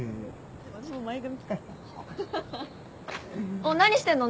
おっ何してんの？